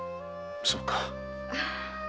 そうか。